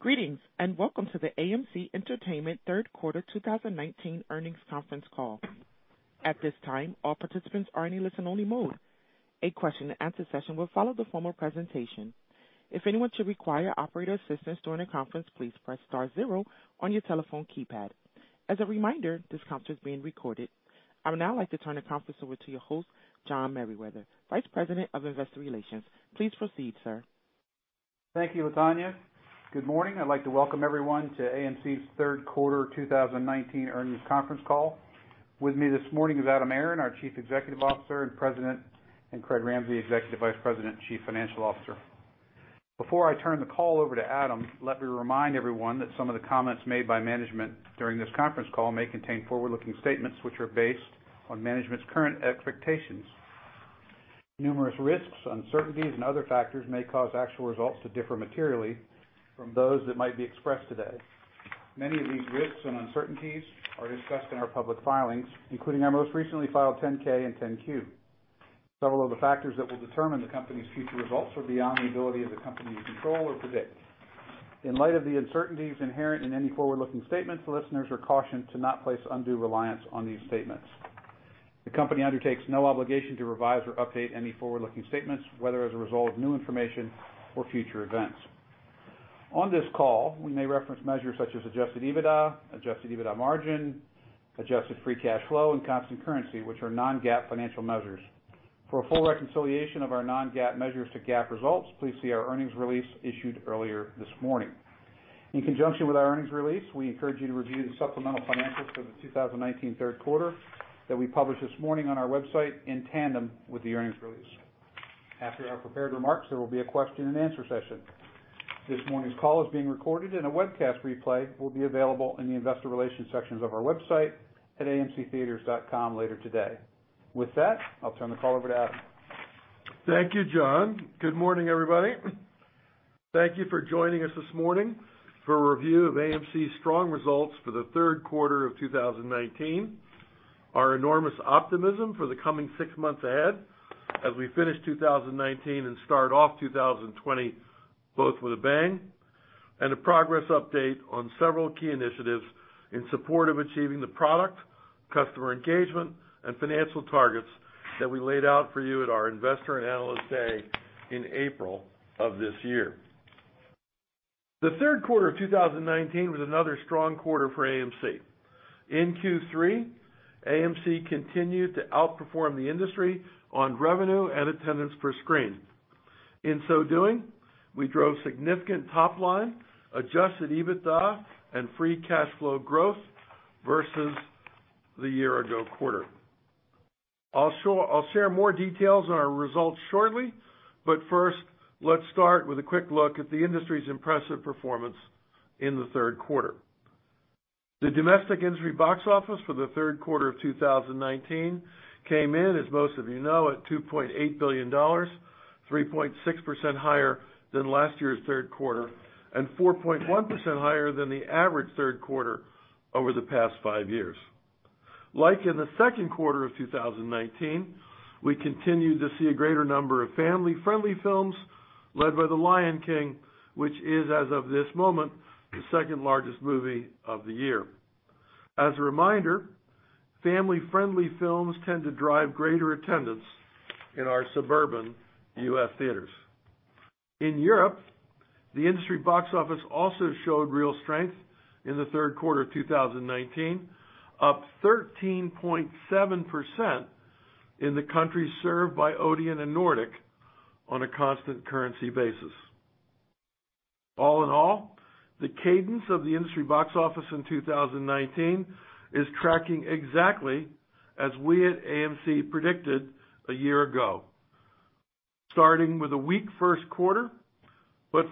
Greetings, welcome to the AMC Entertainment Third Quarter 2019 Earnings Conference Call. At this time, all participants are in a listen-only mode. A question and answer session will follow the formal presentation. If anyone should require operator assistance during the conference, please press star zero on your telephone keypad. As a reminder, this conference is being recorded. I would now like to turn the conference over to your host, John Merriwether, Vice President of Investor Relations. Please proceed, sir. Thank you, Latonya. Good morning. I'd like to welcome everyone to AMC's third quarter 2019 earnings conference call. With me this morning is Adam Aron, our Chief Executive Officer and President, and Craig Ramsey, Executive Vice President and Chief Financial Officer. Before I turn the call over to Adam, let me remind everyone that some of the comments made by management during this conference call may contain forward-looking statements, which are based on management's current expectations. Numerous risks, uncertainties, and other factors may cause actual results to differ materially from those that might be expressed today. Many of these risks and uncertainties are discussed in our public filings, including our most recently filed 10-K and 10-Q. Several of the factors that will determine the company's future results are beyond the ability of the company to control or predict. In light of the uncertainties inherent in any forward-looking statements, listeners are cautioned to not place undue reliance on these statements. The company undertakes no obligation to revise or update any forward-looking statements, whether as a result of new information or future events. On this call, we may reference measures such as adjusted EBITDA, adjusted EBITDA margin, adjusted free cash flow, and constant currency, which are non-GAAP financial measures. For a full reconciliation of our non-GAAP measures to GAAP results, please see our earnings release issued earlier this morning. In conjunction with our earnings release, we encourage you to review the supplemental financials for the 2019 third quarter that we published this morning on our website in tandem with the earnings release. After our prepared remarks, there will be a question and answer session. This morning's call is being recorded, and a webcast replay will be available in the investor relations sections of our website at amctheatres.com later today. With that, I'll turn the call over to Adam Aron. Thank you, John. Good morning, everybody. Thank you for joining us this morning for a review of AMC's strong results for the third quarter of 2019, our enormous optimism for the coming six months ahead as we finish 2019 and start off 2020, both with a bang, and a progress update on several key initiatives in support of achieving the product, customer engagement, and financial targets that we laid out for you at our investor and analyst day in April of this year. The third quarter of 2019 was another strong quarter for AMC. In Q3, AMC continued to outperform the industry on revenue and attendance per screen. In so doing, we drove significant top-line adjusted EBITDA and free cash flow growth versus the year ago quarter. I'll share more details on our results shortly, but first, let's start with a quick look at the industry's impressive performance in the third quarter. The domestic industry box office for the third quarter of 2019 came in, as most of you know, at $2.8 billion, 3.6% higher than last year's third quarter and 4.1% higher than the average third quarter over the past five years. Like in the second quarter of 2019, we continued to see a greater number of family-friendly films led by The Lion King, which is, as of this moment, the second-largest movie of the year. As a reminder, family-friendly films tend to drive greater attendance in our suburban U.S. theaters. In Europe, the industry box office also showed real strength in the third quarter of 2019, up 13.7% in the countries served by Odeon and Nordic on a constant currency basis. All in all, the cadence of the industry box office in 2019 is tracking exactly as we at AMC predicted a year ago. Starting with a weak first quarter,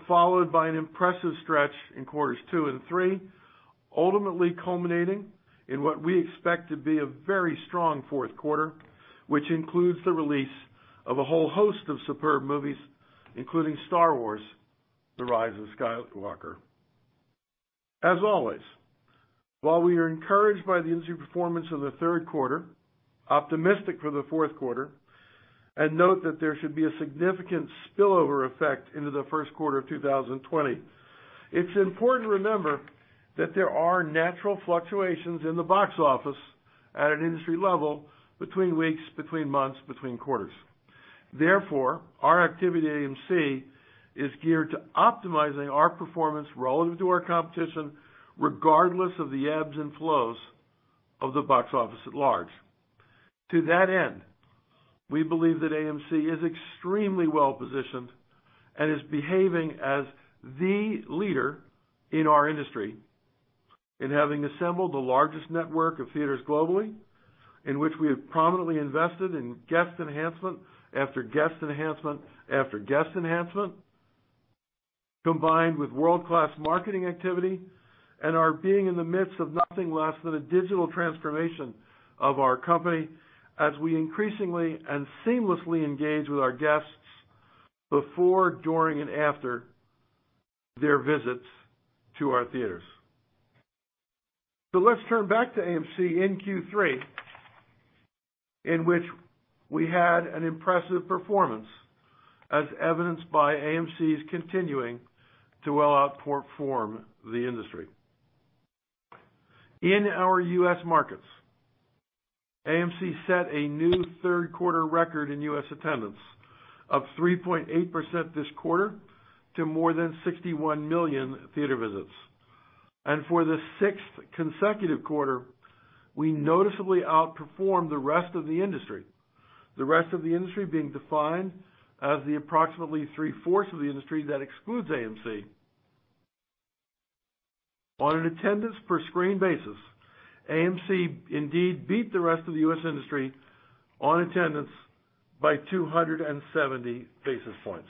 followed by an impressive stretch in quarters two and three, ultimately culminating in what we expect to be a very strong fourth quarter, which includes the release of a whole host of superb movies, including Star Wars: The Rise of Skywalker. As always, while we are encouraged by the industry performance of the third quarter, optimistic for the fourth quarter, and note that there should be a significant spillover effect into the first quarter of 2020. It's important to remember that there are natural fluctuations in the box office at an industry level between weeks, between months, between quarters. Therefore, our activity at AMC is geared to optimizing our performance relative to our competition, regardless of the ebbs and flows of the box office at large. To that end, we believe that AMC is extremely well-positioned and is behaving as the leader in our industry in having assembled the largest network of theaters globally, in which we have prominently invested in guest enhancement after guest enhancement after guest enhancement, combined with world-class marketing activity, and are being in the midst of nothing less than a digital transformation of our company as we increasingly and seamlessly engage with our guests before, during, and after their visits to our theaters. Let's turn back to AMC in Q3, in which we had an impressive performance, as evidenced by AMC's continuing to well outperform the industry. In our U.S. markets, AMC set a new third quarter record in U.S. attendance of 3.8% this quarter to more than 61 million theater visits. For the sixth consecutive quarter, we noticeably outperformed the rest of the industry. The rest of the industry being defined as the approximately three-fourths of the industry that excludes AMC. On an attendance per screen basis, AMC indeed beat the rest of the U.S. industry on attendance by 270 basis points.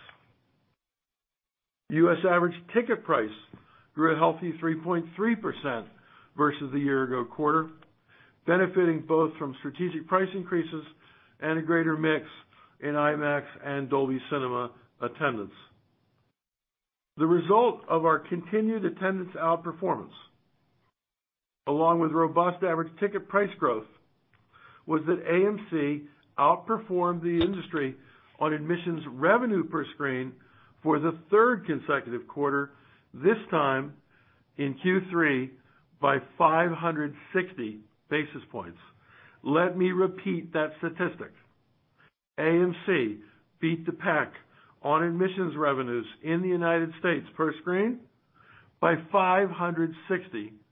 U.S. average ticket price grew a healthy 3.3% versus the year-ago quarter, benefiting both from strategic price increases and a greater mix in IMAX and Dolby Cinema attendance. The result of our continued attendance outperformance, along with robust average ticket price growth, was that AMC outperformed the industry on admissions revenue per screen for the third consecutive quarter, this time in Q3 by 560 basis points. Let me repeat that statistic. AMC beat the pack on admissions revenues in the U.S. per screen by 560 basis points.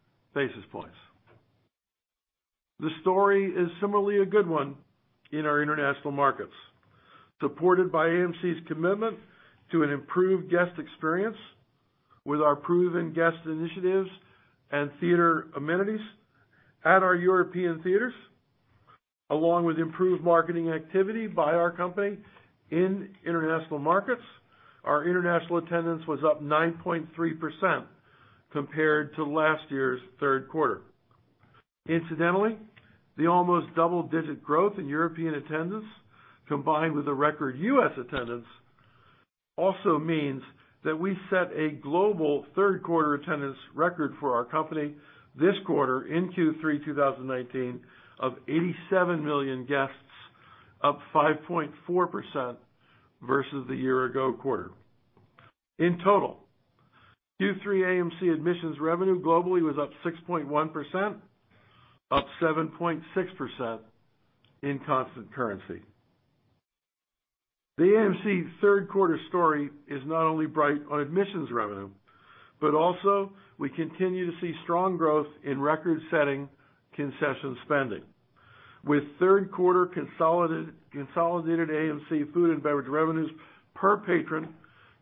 The story is similarly a good one in our international markets. Supported by AMC's commitment to an improved guest experience with our proven guest initiatives and theater amenities at our European theaters, along with improved marketing activity by our company in international markets, our international attendance was up 9.3% compared to last year's third quarter. Incidentally, the almost double-digit growth in European attendance, combined with the record U.S. attendance, also means that we set a global third quarter attendance record for our company this quarter in Q3 2019 of 87 million guests, up 5.4% versus the year ago quarter. In total, Q3 AMC admissions revenue globally was up 6.1%, up 7.6% in constant currency. The AMC third quarter story is not only bright on admissions revenue, but also we continue to see strong growth in record-setting concession spending, with third quarter consolidated AMC food and beverage revenues per patron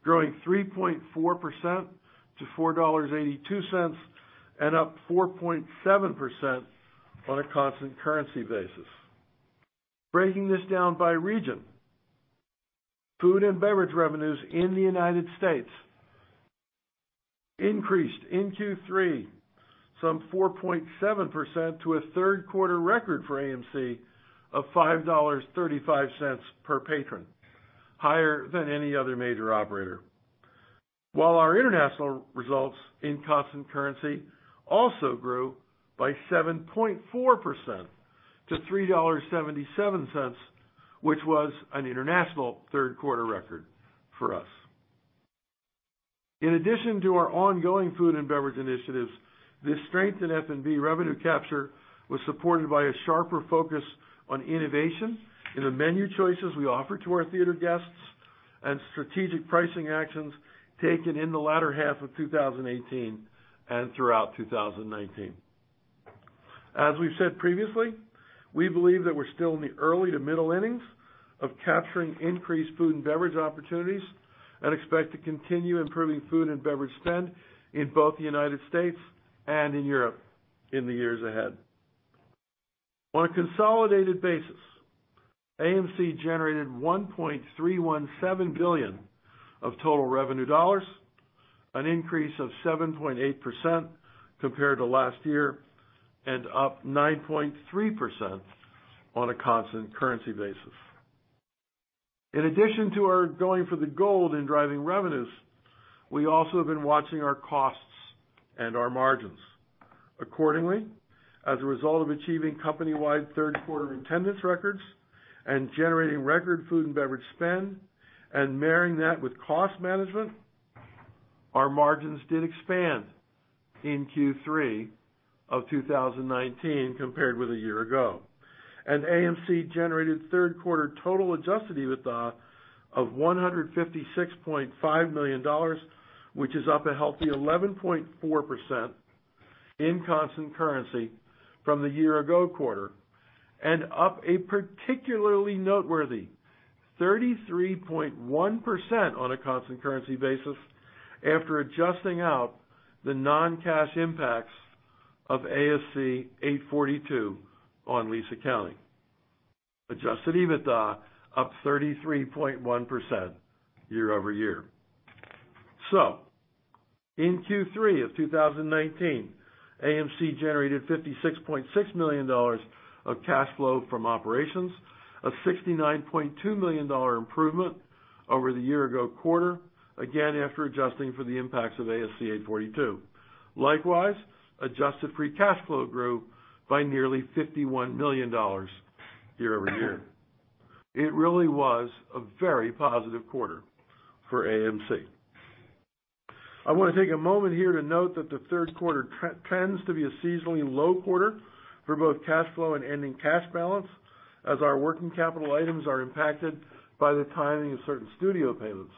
growing 3.4% to $4.82 and up 4.7% on a constant currency basis. Breaking this down by region, food and beverage revenues in the U.S. increased in Q3 some 4.7% to a third quarter record for AMC of $5.35 per patron, higher than any other major operator. Our international results in constant currency also grew by 7.4% to $3.77, which was an international third quarter record for us. In addition to our ongoing food and beverage initiatives, this strength in F&B revenue capture was supported by a sharper focus on innovation in the menu choices we offer to our theater guests and strategic pricing actions taken in the latter half of 2018 and throughout 2019. As we've said previously, we believe that we're still in the early to middle innings of capturing increased food and beverage opportunities and expect to continue improving food and beverage spend in both the United States and in Europe in the years ahead. On a consolidated basis, AMC generated $1.317 billion of total revenue dollars, an increase of 7.8% compared to last year, up 9.3% on a constant currency basis. In addition to our going for the gold in driving revenues, we also have been watching our costs and our margins. As a result of achieving company-wide third quarter attendance records and generating record food and beverage spend and marrying that with cost management, our margins did expand in Q3 of 2019 compared with a year ago. AMC generated third quarter total adjusted EBITDA of $156.5 million, which is up a healthy 11.4% in constant currency from the year ago quarter, and up a particularly noteworthy 33.1% on a constant currency basis after adjusting out the non-cash impacts of ASC 842 on lease accounting. Adjusted EBITDA up 33.1% year-over-year. In Q3 of 2019, AMC generated $56.6 million of cash flow from operations, a $69.2 million improvement over the year ago quarter, again, after adjusting for the impacts of ASC 842. Likewise, adjusted free cash flow grew by nearly $51 million year-over-year. It really was a very positive quarter for AMC. I want to take a moment here to note that the third quarter tends to be a seasonally low quarter for both cash flow and ending cash balance as our working capital items are impacted by the timing of certain studio payments.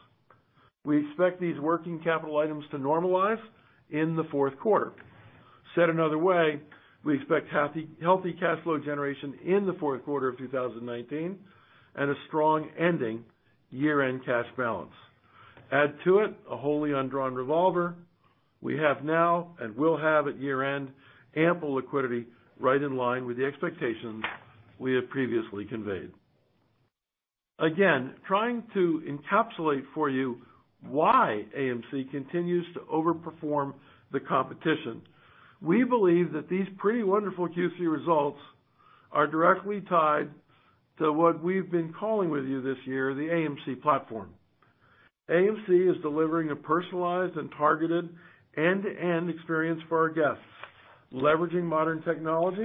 We expect these working capital items to normalize in the fourth quarter. Said another way, we expect healthy cash flow generation in the fourth quarter of 2019 and a strong ending year-end cash balance. Add to it a wholly undrawn revolver, we have now and will have at year-end ample liquidity right in line with the expectations we have previously conveyed. Again, trying to encapsulate for you why AMC continues to overperform the competition. We believe that these pretty wonderful Q3 results are directly tied to what we've been calling with you this year, the AMC platform. AMC is delivering a personalized and targeted end-to-end experience for our guests, leveraging modern technology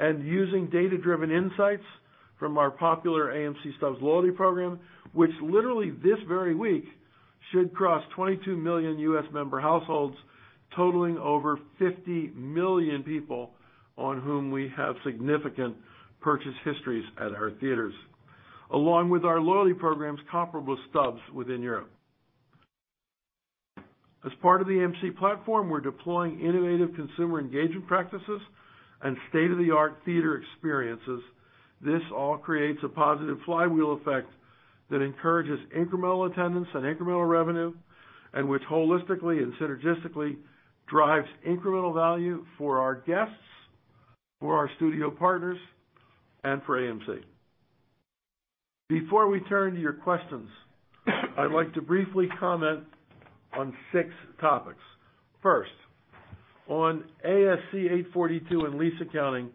and using data-driven insights from our popular AMC Stubs loyalty program, which literally this very week should cross 22 million U.S. member households totaling over 50 million people on whom we have significant purchase histories at our theaters, along with our loyalty programs comparable to Stubs within Europe. As part of the AMC platform, we're deploying innovative consumer engagement practices and state-of-the-art theater experiences. This all creates a positive flywheel effect that encourages incremental attendance and incremental revenue, and which holistically and synergistically drives incremental value for our guests, for our studio partners, and for AMC. Before we turn to your questions, I'd like to briefly comment on six topics. On ASC 842 and lease accounting,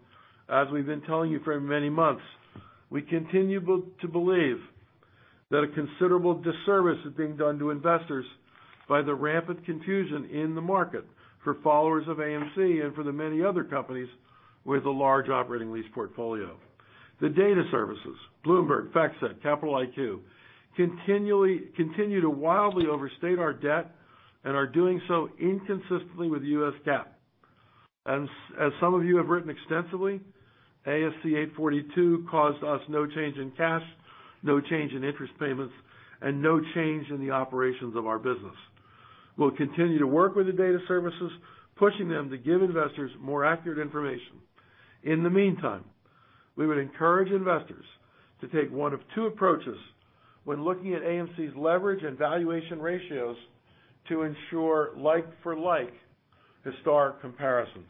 as we've been telling you for many months, we continue to believe that a considerable disservice is being done to investors by the rampant confusion in the market for followers of AMC and for the many other companies with a large operating lease portfolio. The data services, Bloomberg, FactSet, Capital IQ, continue to wildly overstate our debt and are doing so inconsistently with US GAAP. As some of you have written extensively, ASC 842 caused us no change in cash, no change in interest payments, and no change in the operations of our business. We'll continue to work with the data services, pushing them to give investors more accurate information. In the meantime, we would encourage investors to take one of two approaches when looking at AMC's leverage and valuation ratios to ensure like-for-like historic comparisons.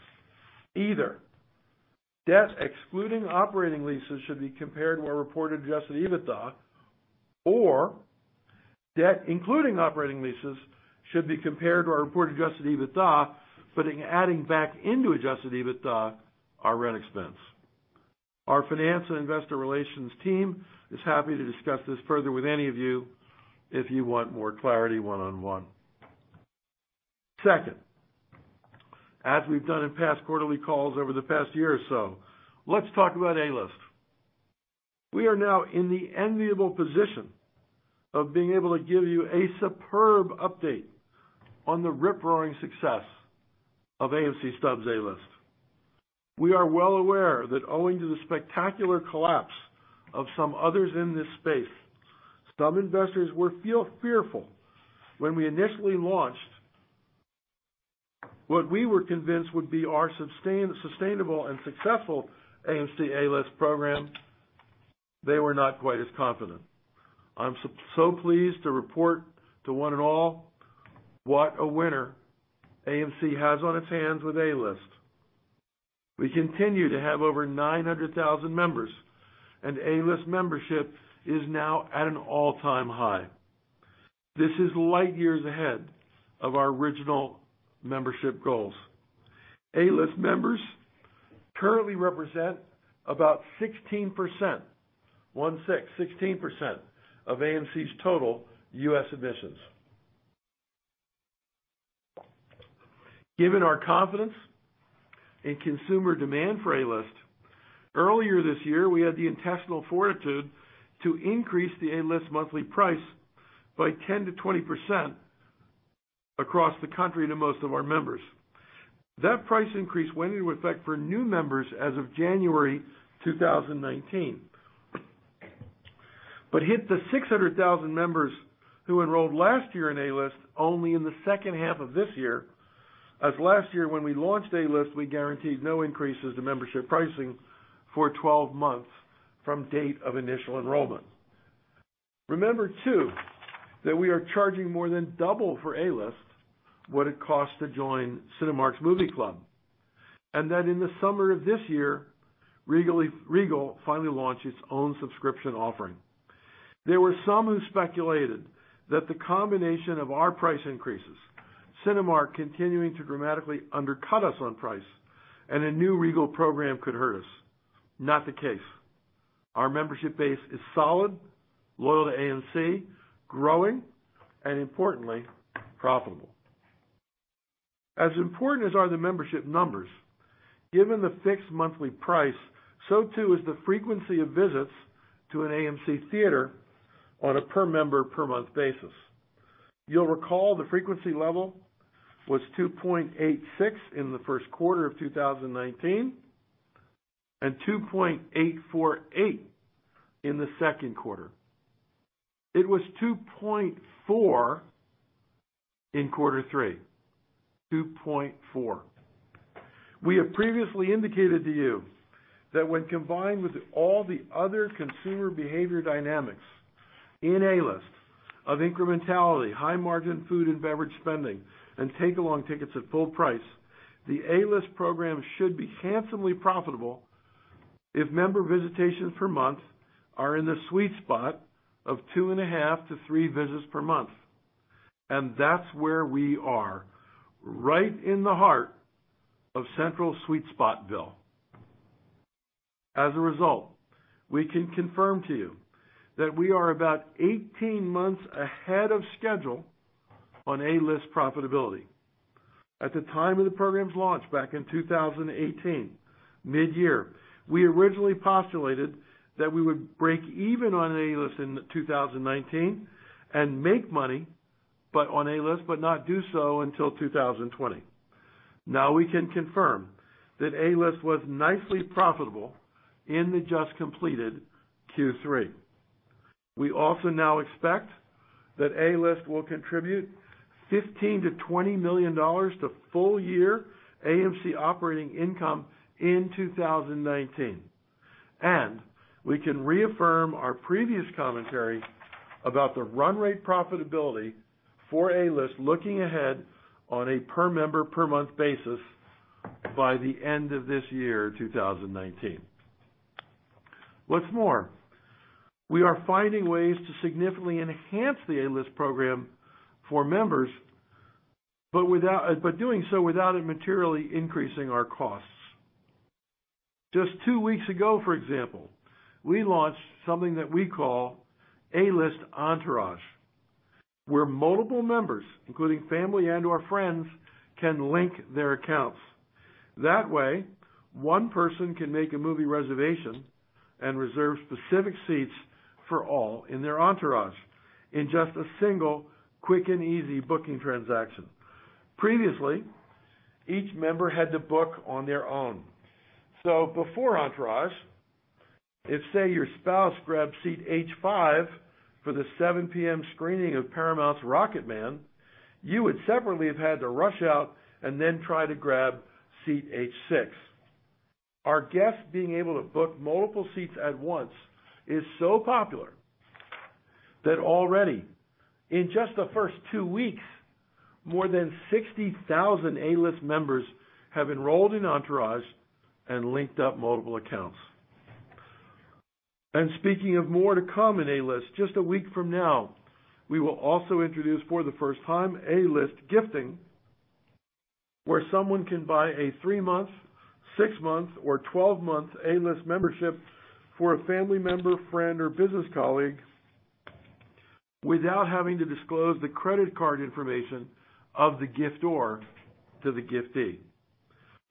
Either debt excluding operating leases should be compared to our reported adjusted EBITDA, or debt including operating leases, should be compared to our reported adjusted EBITDA, but adding back into adjusted EBITDA our rent expense. Our finance and investor relations team is happy to discuss this further with any of you if you want more clarity one on one. Second, as we've done in past quarterly calls over the past year or so, let's talk about A-List. We are now in the enviable position of being able to give you a superb update on the rip-roaring success of AMC Stubs A-List. We are well aware that owing to the spectacular collapse of some others in this space, some investors were fearful when we initially launched what we were convinced would be our sustainable and successful AMC A-List program. They were not quite as confident. I'm so pleased to report to one and all what a winner AMC has on its hands with A-List. We continue to have over 900,000 members, and A-List membership is now at an all-time high. This is light years ahead of our original membership goals. A-List members currently represent about 16%, one six, 16% of AMC's total U.S. admissions. Given our confidence in consumer demand for A-List, earlier this year, we had the intestinal fortitude to increase the A-List monthly price by 10%-20% across the country to most of our members. That price increase went into effect for new members as of January 2019, but hit the 600,000 members who enrolled last year in A-List only in the second half of this year, as last year when we launched A-List, we guaranteed no increases to membership pricing for 12 months from date of initial enrollment. Remember too, that we are charging more than double for A-List what it costs to join Cinemark's Movie Club. That in the summer of this year, Regal finally launched its own subscription offering. There were some who speculated that the combination of our price increases, Cinemark continuing to dramatically undercut us on price. A new Regal program could hurt us. Not the case. Our membership base is solid, loyal to AMC, growing, and importantly, profitable. As important as are the membership numbers, given the fixed monthly price, so too is the frequency of visits to an AMC Theatre on a per-member, per-month basis. You'll recall the frequency level was 2.86 in the first quarter of 2019, and 2.848 in the second quarter. It was 2.4 in quarter three. 2.4. We have previously indicated to you that when combined with all the other consumer behavior dynamics in A-List of incrementality, high-margin food and beverage spending, and take-along tickets at full price, the A-List program should be handsomely profitable if member visitations per month are in the sweet spot of two and a half to three visits per month. That's where we are, right in the heart of central sweet-spot ville. As a result, we can confirm to you that we are about 18 months ahead of schedule on A-List profitability. At the time of the program's launch back in 2018, midyear, we originally postulated that we would break even on A-List in 2019 and make money on A-List, but not do so until 2020. Now we can confirm that A-List was nicely profitable in the just-completed Q3. We also now expect that A-List will contribute $15 million-$20 million to full-year AMC operating income in 2019. We can reaffirm our previous commentary about the run rate profitability for A-List looking ahead on a per-member, per-month basis by the end of this year, 2019. What's more, we are finding ways to significantly enhance the A-List program for members, but doing so without it materially increasing our costs. Just two weeks ago, for example, we launched something that we call A-List Entourage, where multiple members, including family and/or friends, can link their accounts. That way, one person can make a movie reservation and reserve specific seats for all in their entourage in just a single, quick, and easy booking transaction. Previously, each member had to book on their own. Before Entourage, if, say, your spouse grabbed seat H5 for the 7:00 P.M. screening of Paramount's 'Rocketman,' you would separately have had to rush out and then try to grab seat H6. Our guests being able to book multiple seats at once is so popular that already, in just the first two weeks, more than 60,000 A-List members have enrolled in Entourage and linked up multiple accounts. Speaking of more to come in A-List, just a week from now, we will also introduce for the first time A-List Gifting, where someone can buy a three-month, six-month, or 12-month A-List membership for a family member, friend, or business colleague without having to disclose the credit card information of the giftor to the giftee.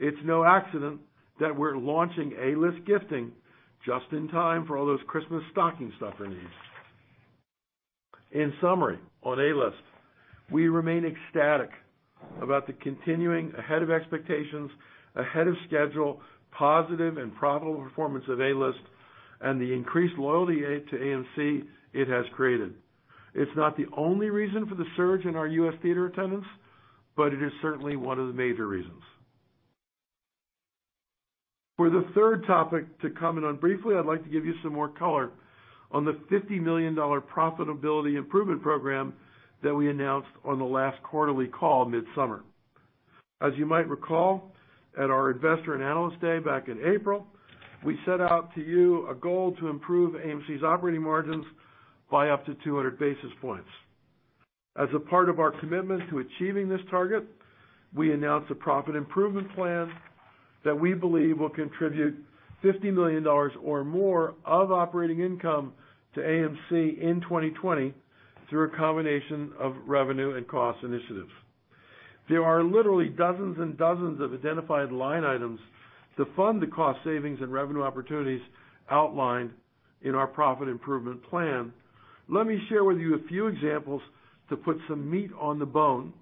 It's no accident that we're launching A-List Gifting just in time for all those Christmas stocking stuffer needs. In summary, on A-List, we remain ecstatic about the continuing ahead-of-expectations, ahead-of-schedule, positive, and profitable performance of A-List and the increased loyalty to AMC it has created. It's not the only reason for the surge in our U.S. theater attendance, but it is certainly one of the major reasons. For the third topic to comment on briefly, I'd like to give you some more color on the $50 million profitability improvement program that we announced on the last quarterly call midsummer. As you might recall, at our Investor and Analyst Day back in April, we set out to you a goal to improve AMC's operating margins by up to 200 basis points. As a part of our commitment to achieving this target, we announced a Profit Improvement Plan that we believe will contribute $50 million or more of operating income to AMC in 2020 through a combination of revenue and cost initiatives. There are literally dozens and dozens of identified line items to fund the cost savings and revenue opportunities outlined in our Profit Improvement Plan. Let me share with you a few examples to put some meat on the bone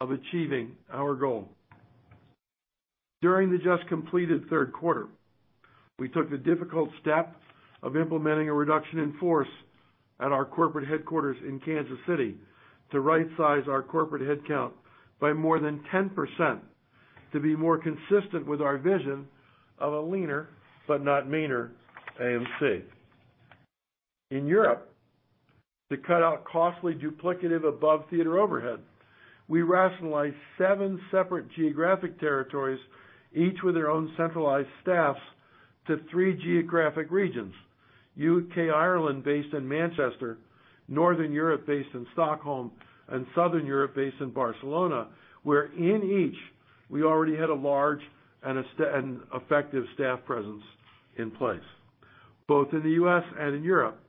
of achieving our goal. During the just-completed third quarter, we took the difficult step of implementing a reduction in force at our corporate headquarters in Kansas City to rightsize our corporate headcount by more than 10% to be more consistent with our vision of a leaner, but not meaner, AMC. In Europe, to cut out costly duplicative above-theater overhead, we rationalized seven separate geographic territories, each with their own centralized staffs to three geographic regions, U.K., Ireland based in Manchester, Northern Europe based in Stockholm, and Southern Europe based in Barcelona, where in each, we already had a large and effective staff presence in place. Both in the U.S. and in Europe,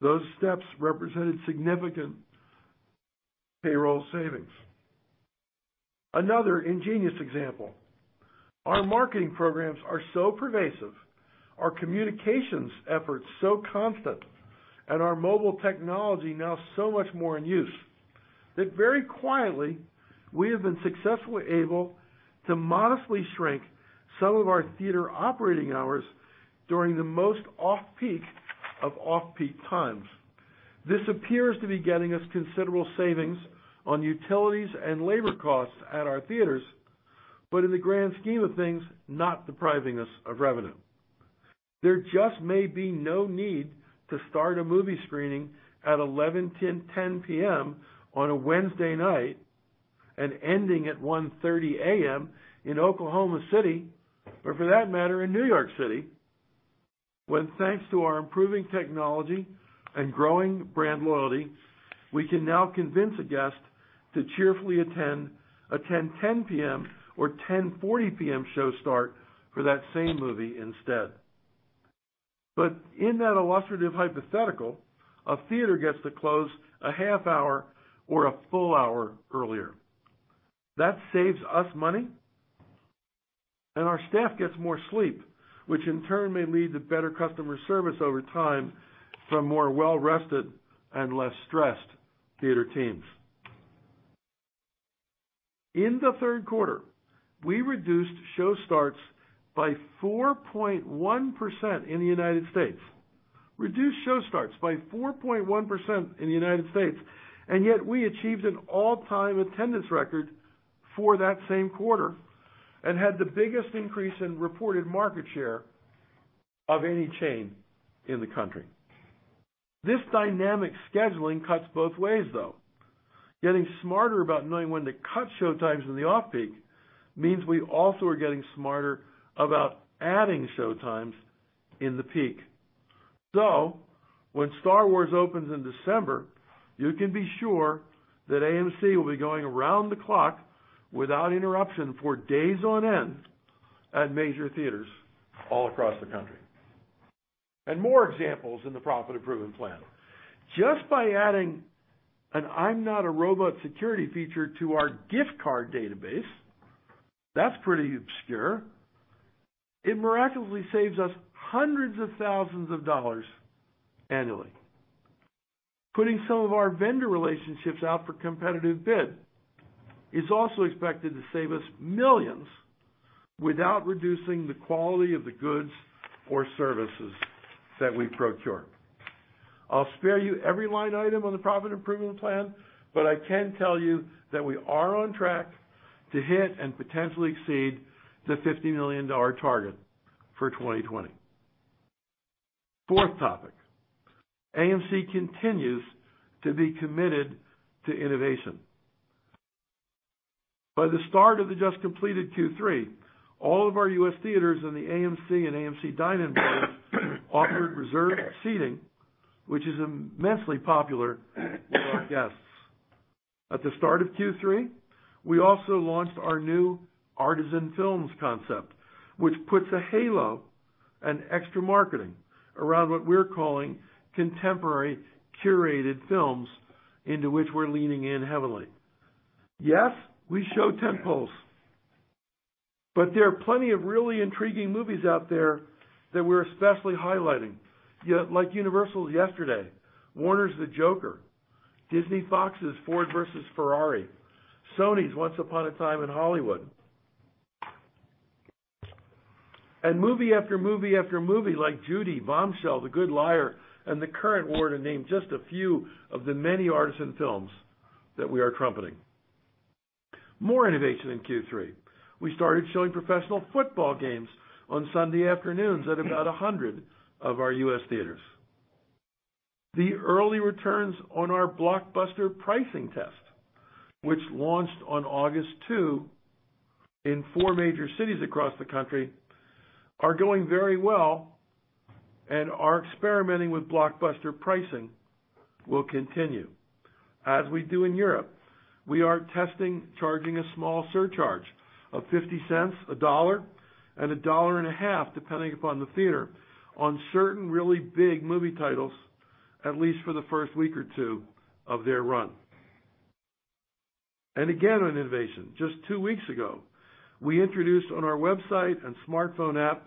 those steps represented significant payroll savings. Another ingenious example, our marketing programs are so pervasive, our communications efforts so constant, and our mobile technology now so much more in use, that very quietly, we have been successfully able to modestly shrink some of our theater operating hours during the most off-peak of off-peak times. This appears to be getting us considerable savings on utilities and labor costs at our theaters, but in the grand scheme of things, not depriving us of revenue. There just may be no need to start a movie screening at 11:10 P.M. on a Wednesday night and ending at 1:30 A.M. in Oklahoma City, or for that matter, in New York City, when thanks to our improving technology and growing brand loyalty, we can now convince a guest to cheerfully attend a 10:10 P.M. or 10:40 P.M. show start for that same movie instead. In that illustrative hypothetical, a theater gets to close a half hour or a full hour earlier. That saves us money, and our staff gets more sleep, which in turn may lead to better customer service over time from more well-rested and less stressed theater teams. In the third quarter, we reduced show starts by 4.1% in the U.S. Reduced show starts by 4.1% in the U.S., yet we achieved an all-time attendance record for that same quarter and had the biggest increase in reported market share of any chain in the country. This dynamic scheduling cuts both ways, though. Getting smarter about knowing when to cut showtimes in the off-peak means we also are getting smarter about adding showtimes in the peak. When Star Wars opens in December, you can be sure that AMC will be going around the clock without interruption for days on end at major theaters all across the country. More examples in the profit improvement plan. Just by adding an I'm-not-a-robot security feature to our gift card database, that's pretty obscure, it miraculously saves us hundreds of thousands of dollars annually. Putting some of our vendor relationships out for competitive bid is also expected to save us millions without reducing the quality of the goods or services that we procure. I'll spare you every line item on the profit improvement plan, but I can tell you that we are on track to hit and potentially exceed the $50 million target for 2020. Fourth topic, AMC continues to be committed to innovation. By the start of the just-completed Q3, all of our U.S. theaters in the AMC and AMC Dine-In brands offered reserved seating, which is immensely popular with our guests. At the start of Q3, we also launched our new Artisan Films concept, which puts a halo and extra marketing around what we're calling contemporary curated films into which we're leaning in heavily. Yes, we show tentpoles, but there are plenty of really intriguing movies out there that we're especially highlighting, like Universal's "Yesterday," Warner's "Joker," Disney-Fox's "Ford v Ferrari," Sony's "Once Upon a Time in Hollywood." Movie after movie after movie like "Judy," "Bombshell," "The Good Liar," and "The Current War" to name just a few of the many AMC Artisan Films that we are trumpeting. More innovation in Q3. We started showing professional football games on Sunday afternoons at about 100 of our U.S. theaters. The early returns on our blockbuster pricing test, which launched on August 2 in four major cities across the country, are going very well and our experimenting with blockbuster pricing will continue. As we do in Europe, we are testing charging a small surcharge of $0.50, $1.00, and $1.50, depending upon the theater, on certain really big movie titles, at least for the first week or two of their run. Again, on innovation, just two weeks ago, we introduced on our website and smartphone app,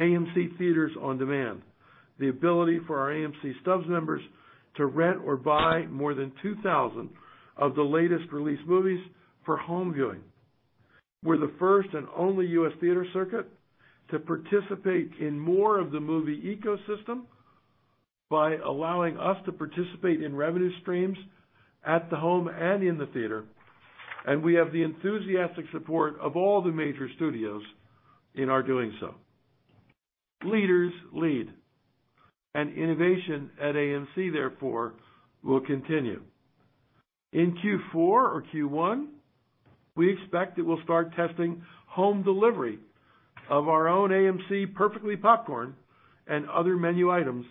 AMC Theatres On Demand, the ability for our AMC Stubs members to rent or buy more than 2,000 of the latest release movies for home viewing. We're the first and only U.S. theater circuit to participate in more of the movie ecosystem by allowing us to participate in revenue streams at the home and in the theater, and we have the enthusiastic support of all the major studios in our doing so. Leaders lead. Innovation at AMC, therefore, will continue. In Q4 or Q1, we expect that we'll start testing home delivery of our own AMC Perfectly Popcorn and other menu items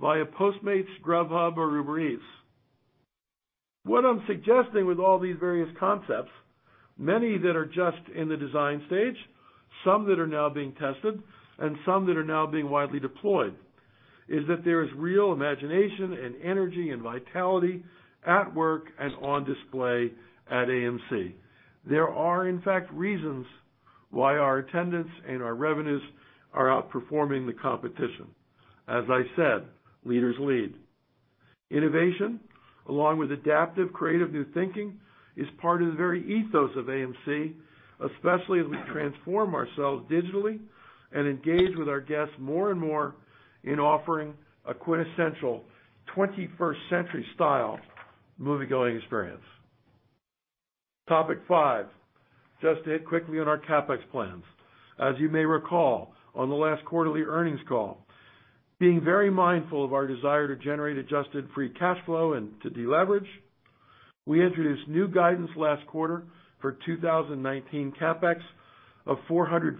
via Postmates, Grubhub, or Uber Eats. What I'm suggesting with all these various concepts, many that are just in the design stage, some that are now being tested, and some that are now being widely deployed, is that there is real imagination and energy and vitality at work and on display at AMC. There are in fact reasons why our attendance and our revenues are outperforming the competition. As I said, leaders lead. Innovation along with adaptive, creative, new thinking is part of the very ethos of AMC, especially as we transform ourselves digitally and engage with our guests more and more in offering a quintessential 21st-century style movie-going experience. Topic five, just to hit quickly on our CapEx plans. As you may recall, on the last quarterly earnings call, being very mindful of our desire to generate adjusted free cash flow and to deleverage, we introduced new guidance last quarter for 2019 CapEx of $415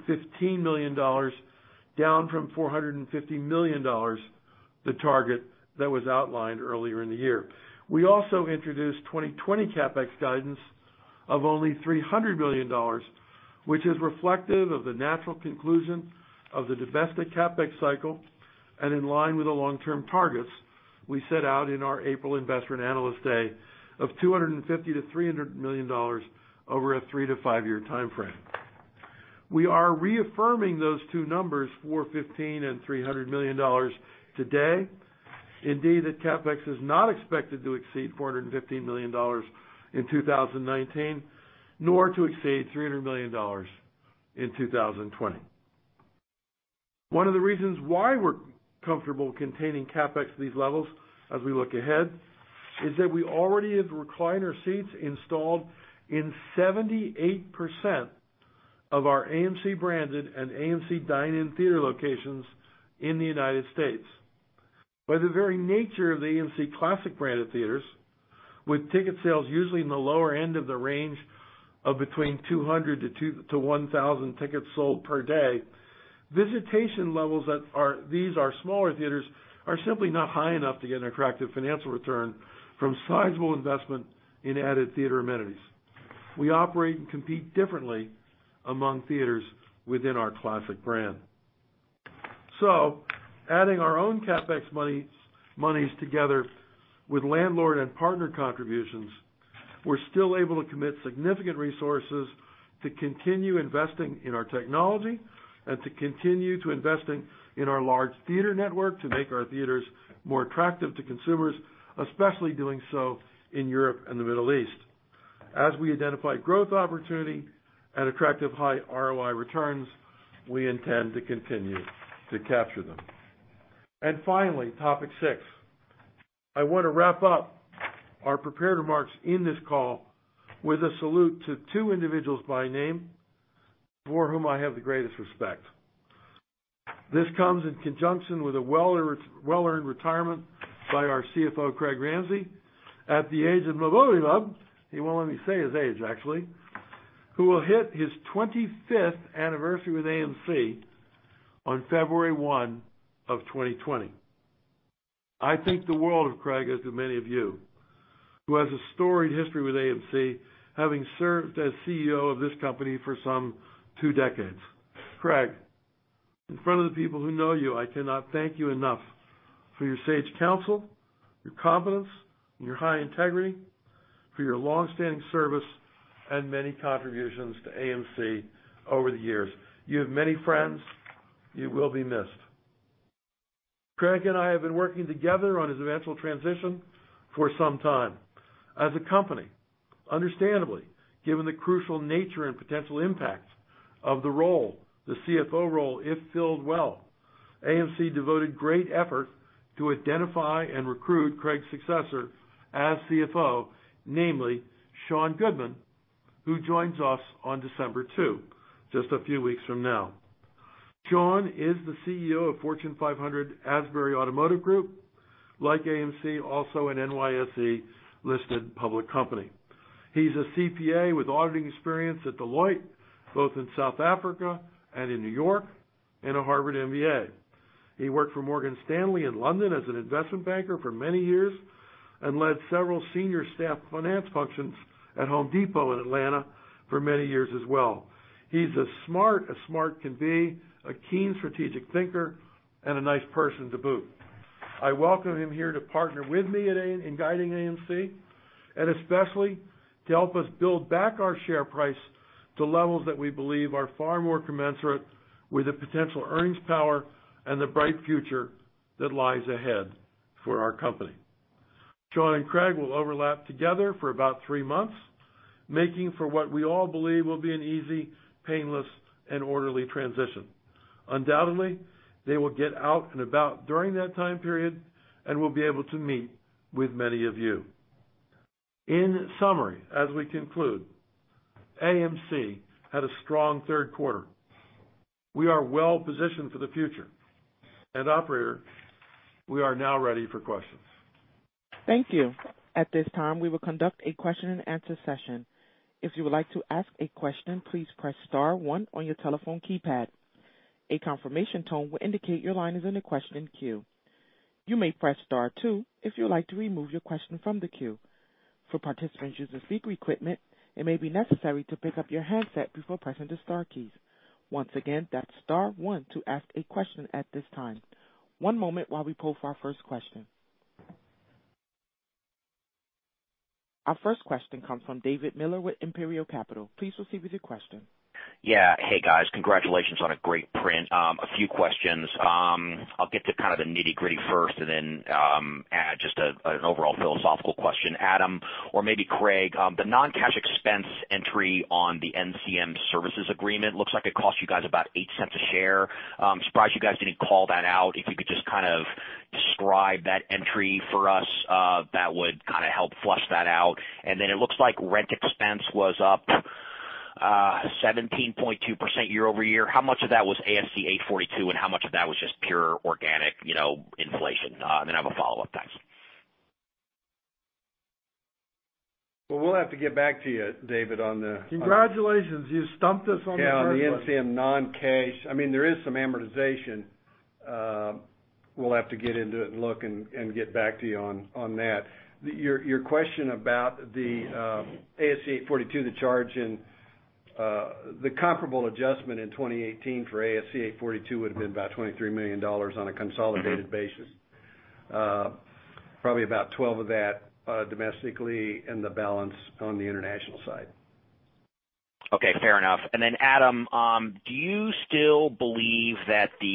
million, down from $450 million, the target that was outlined earlier in the year. We also introduced 2020 CapEx guidance of only $300 million, which is reflective of the natural conclusion of the domestic CapEx cycle, and in line with the long-term targets we set out in our April investor and analyst day of $250 million-$300 million over a three-to-five-year timeframe. We are reaffirming those two numbers, $415 million and $300 million today. Indeed, the CapEx is not expected to exceed $415 million in 2019, nor to exceed $300 million in 2020. One of the reasons why we're comfortable containing CapEx at these levels as we look ahead is that we already have recliner seats installed in 78% of our AMC-branded and AMC Dine-In theater locations in the U.S. By the very nature of the AMC CLASSIC-branded theaters, with ticket sales usually in the lower end of the range of between 200-1,000 tickets sold per day, visitation levels at these, our smaller theaters, are simply not high enough to get an attractive financial return from sizable investment in added theater amenities. We operate and compete differently among theaters within our CLASSIC brand. Adding our own CapEx monies together with landlord and partner contributions, we're still able to commit significant resources to continue investing in our technology and to continue investing in our large theater network to make our theaters more attractive to consumers, especially doing so in Europe and the Middle East. As we identify growth opportunity and attractive high ROI returns, we intend to continue to capture them. Finally, topic six. I want to wrap up our prepared remarks in this call with a salute to two individuals by name, for whom I have the greatest respect. This comes in conjunction with a well-earned retirement by our CFO, Craig Ramsey, at the age of, he won't let me say his age, actually, who will hit his 25th anniversary with AMC on February 1 of 2020. I think the world of Craig, as do many of you. Who has a storied history with AMC, having served as CEO of this company for some two decades. Craig, in front of the people who know you, I cannot thank you enough for your sage counsel, your competence, and your high integrity, for your longstanding service, and many contributions to AMC over the years. You have many friends. You will be missed. Craig and I have been working together on his eventual transition for some time. As a company, understandably, given the crucial nature and potential impact of the role, the CFO role, if filled well, AMC devoted great effort to identify and recruit Craig's successor as CFO, namely Sean Goodman, who joins us on December 2, just a few weeks from now. Sean is the CEO of Fortune 500 Asbury Automotive Group. Like AMC, also an NYSE-listed public company. He's a CPA with auditing experience at Deloitte, both in South Africa and in New York, and a Harvard MBA. He worked for Morgan Stanley in London as an investment banker for many years and led several senior staff finance functions at Home Depot in Atlanta for many years as well. He's as smart as smart can be, a keen strategic thinker, and a nice person to boot. I welcome him here to partner with me in guiding AMC and especially to help us build back our share price to levels that we believe are far more commensurate with the potential earnings power and the bright future that lies ahead for our company. Sean and Craig will overlap together for about three months, making for what we all believe will be an easy, painless, and orderly transition. Undoubtedly, they will get out and about during that time period and will be able to meet with many of you. In summary, as we conclude, AMC had a strong third quarter. We are well-positioned for the future. Operator, we are now ready for questions. Thank you. At this time, we will conduct a question and answer session. If you would like to ask a question, please press star one on your telephone keypad. A confirmation tone will indicate your line is in the question queue. You may press star two if you'd like to remove your question from the queue. For participants using speaker equipment, it may be necessary to pick up your handset before pressing the star keys. Once again, that's star one to ask a question at this time. One moment while we poll for our first question. Our first question comes from David Miller with Imperial Capital. Please proceed with your question. Yeah. Hey, guys. Congratulations on a great print. A few questions. I'll get to kind of the nitty-gritty first and then add just an overall philosophical question. Adam or maybe Craig, the non-cash expense entry on the National CineMedia Services Agreement looks like it cost you guys about $0.08 a share. Surprised you guys didn't call that out. If you could just kind of describe that entry for us, that would kind of help flush that out. Then it looks like rent expense was up 17.2% year-over-year. How much of that was ASC 842, and how much of that was just pure organic inflation? I have a follow-up. Thanks. Well, we'll have to get back to you, David, on the. Congratulations. You stumped us on the first one. Yeah, on the NCM non-cash. There is some amortization. We'll have to get into it and look and get back to you on that. Your question about the ASC 842, the charge, and the comparable adjustment in 2018 for ASC 842 would've been about $23 million on a consolidated basis. Probably about 12 of that domestically and the balance on the international side. Okay. Fair enough. Adam, do you still believe that the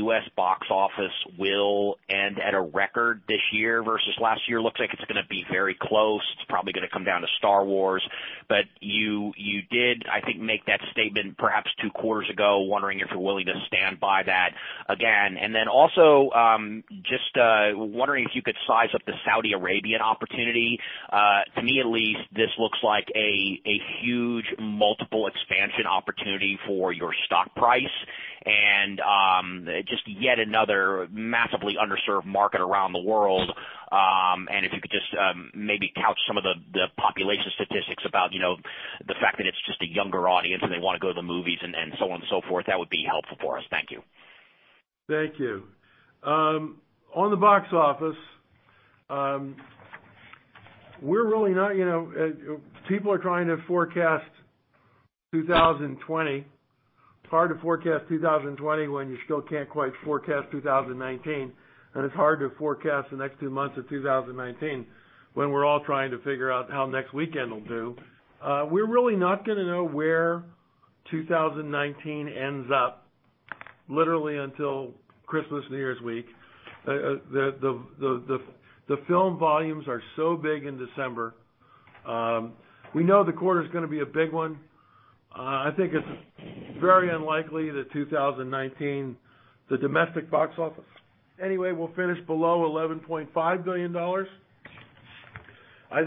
U.S. box office will end at a record this year versus last year? Looks like it's going to be very close. It's probably going to come down to "Star Wars." you did, I think, make that statement perhaps two quarters ago, wondering if you're willing to stand by that again. Just wondering if you could size up the Saudi Arabian opportunity. To me at least, this looks like a huge multiple expansion opportunity for your stock price and just yet another massively underserved market around the world. If you could just maybe couch some of the population statistics about the fact that it's just a younger audience and they want to go to the movies and so on and so forth, that would be helpful for us. Thank you. Thank you. On the box office, people are trying to forecast 2020. It's hard to forecast 2020 when you still can't quite forecast 2019. It's hard to forecast the next two months of 2019 when we're all trying to figure out how next weekend will do. We're really not going to know where 2019 ends up literally until Christmas, New Year's week. The film volumes are so big in December. We know the quarter's going to be a big one. I think it's very unlikely that 2019, the domestic box office, anyway, will finish below $11.5 billion. I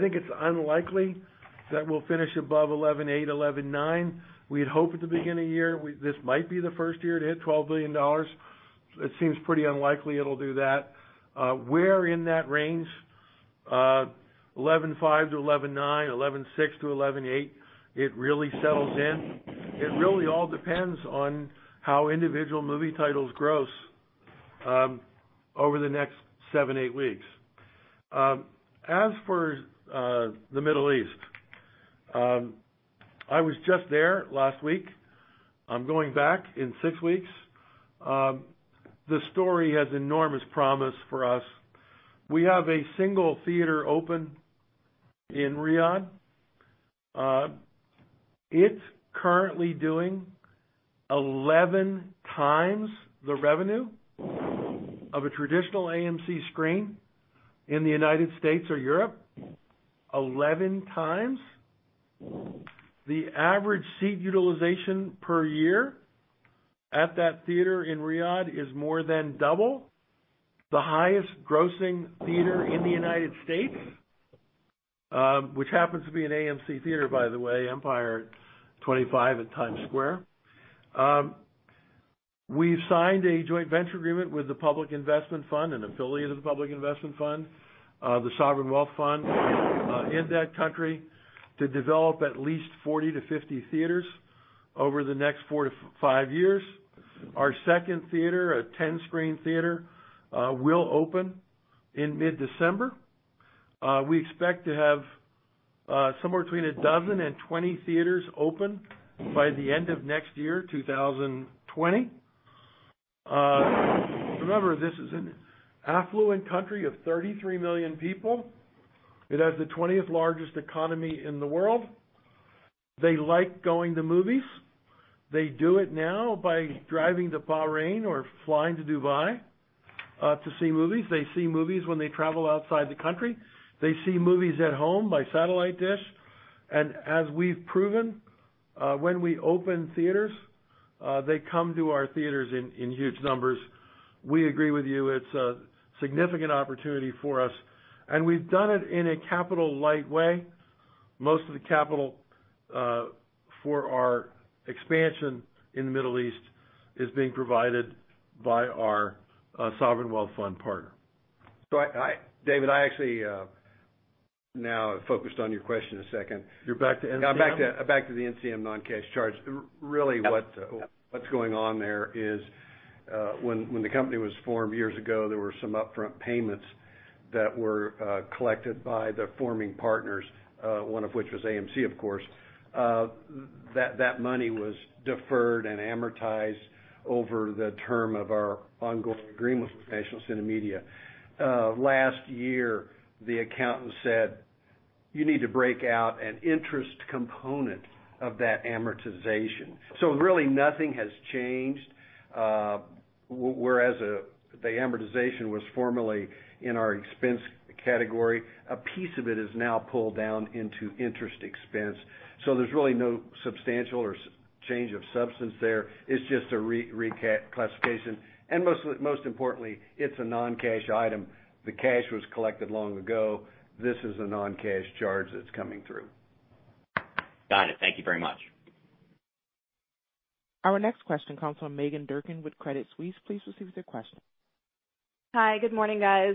think it's unlikely that we'll finish above $11.8 billion, $11.9 billion. We had hoped at the beginning of the year, this might be the first year to hit $12 billion. It seems pretty unlikely it'll do that. Where in that range, $11.5 billion-$11.9 billion, $11.6 billion-$11.8 billion, it really settles in. It really all depends on how individual movie titles gross over the next seven, eight weeks. As for the Middle East, I was just there last week. I'm going back in six weeks. The story has enormous promise for us. We have a single theater open in Riyadh. It's currently doing 11x the revenue of a traditional AMC screen in the United States or Europe, 11x. The average seat utilization per year at that theater in Riyadh is more than double the highest grossing theater in the United States, which happens to be an AMC theater, by the way, Empire 25 at Times Square. We signed a joint venture agreement with the Public Investment Fund, an affiliate of the Public Investment Fund, the sovereign wealth fund in that country to develop at least 40-50 theaters over the next four to five years. Our second theater, a 10-screen theater, will open in mid-December. We expect to have somewhere between a dozen and 20 theaters open by the end of next year, 2020. Remember, this is an affluent country of 33 million people. It has the 20th largest economy in the world. They like going to movies. They do it now by driving to Bahrain or flying to Dubai to see movies. They see movies when they travel outside the country. They see movies at home by satellite dish. As we've proven, when we open theaters, they come to our theaters in huge numbers. We agree with you, it's a significant opportunity for us, and we've done it in a capital-light way. Most of the capital for our expansion in the Middle East is being provided by our sovereign wealth fund partner. David, I actually now have focused on your question a second. You're back to NCM? I'm back to the NCM non-cash charge. Really what's going on there is when the company was formed years ago, there were some upfront payments that were collected by the forming partners, one of which was AMC, of course. That money was deferred and amortized over the term of our ongoing agreement with National CineMedia. Last year, the accountant said, "You need to break out an interest component of that amortization." Really nothing has changed. Whereas the amortization was formerly in our expense category, a piece of it is now pulled down into interest expense. There's really no substantial or change of substance there. It's just a reclassification. Most importantly, it's a non-cash item. The cash was collected long ago. This is a non-cash charge that's coming through. Got it. Thank you very much. Our next question comes from Meghan Durkin with Credit Suisse. Please proceed with your question. Hi, good morning, guys.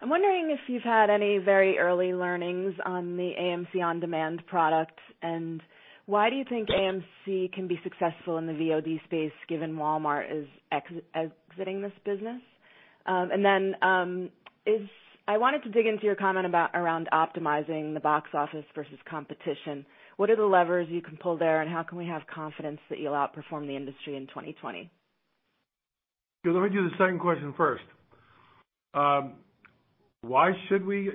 I'm wondering if you've had any very early learnings on the AMC On Demand product, and why do you think AMC can be successful in the Video on Demand space given Walmart is exiting this business? I wanted to dig into your comment about around optimizing the box office versus competition. What are the levers you can pull there, and how can we have confidence that you'll outperform the industry in 2020? Let me do the second question first. Why should we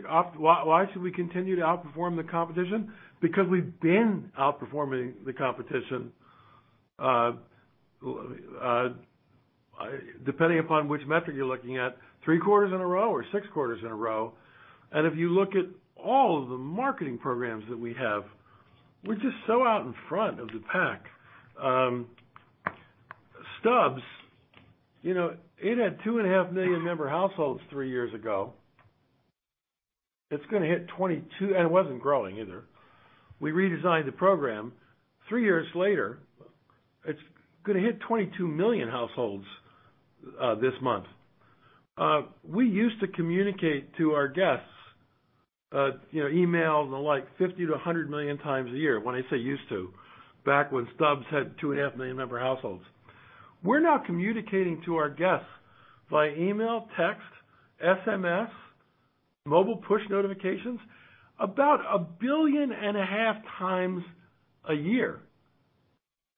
continue to outperform the competition? Because we've been outperforming the competition. Depending upon which metric you're looking at, three quarters in a row or six quarters in a row. If you look at all of the marketing programs that we have, we're just so out in front of the pack. Stubs, it had 2.5 million member households three years ago. It's gonna hit 22 million, it wasn't growing either. We redesigned the program. Three years later, it's gonna hit 22 million households this month. We used to communicate to our guests, email and the like, 50 million-100 million times a year. When I say used to, back when Stubs had 2.5 million member households. We're now communicating to our guests via email, text, SMS, mobile push notifications, about a billion and a half times a year.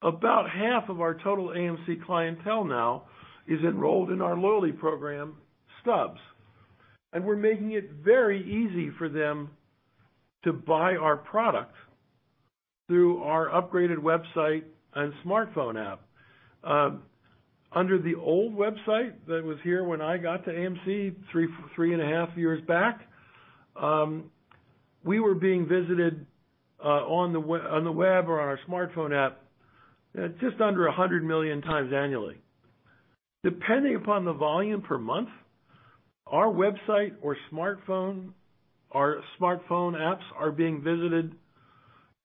About half of our total AMC clientele now is enrolled in our loyalty program, Stubs. We're making it very easy for them to buy our product through our upgraded website and smartphone app. Under the old website that was here when I got to AMC three and a half years back, we were being visited on the web or on our smartphone app just under 100 million times annually. Depending upon the volume per month, our website or smartphone apps are being visited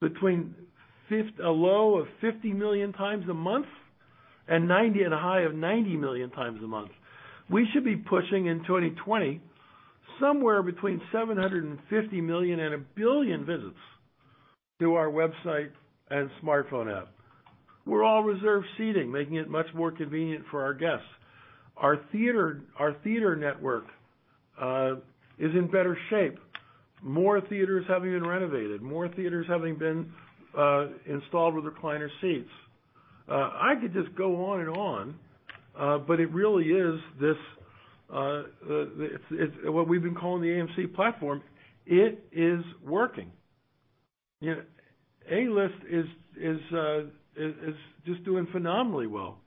between a low of 50 million times a month and a high of 90 million times a month. We should be pushing in 2020 somewhere between 750 million and 1 billion visits to our website and smartphone app. We're all reserved seating, making it much more convenient for our guests. Our theater network is in better shape. More theaters having been renovated, more theaters having been installed with recliner seats. I could just go on and on, but it really is this, what we've been calling the AMC platform. It is working. A-List is just doing phenomenally well.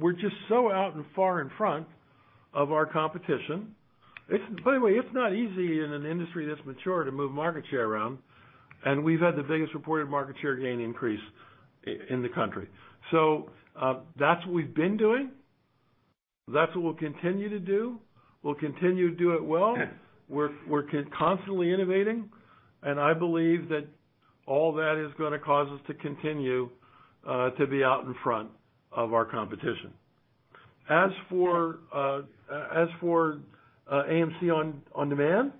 We're just so out and far in front of our competition. By the way, it's not easy in an industry that's mature to move market share around, and we've had the biggest reported market share gain increase in the country. That's what we've been doing. That's what we'll continue to do. We'll continue to do it well. We're constantly innovating, and I believe that all that is gonna cause us to continue to be out in front of our competition. As for AMC On Demand?